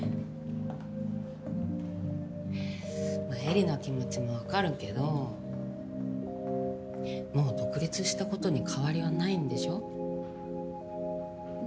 絵里の気持ちも分かるけどもう独立したことに変わりはないんでしょ？